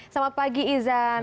selamat pagi izan